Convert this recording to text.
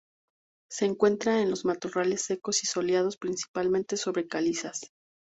Se encuentra en los matorrales secos y soleados, principalmente sobre calizas.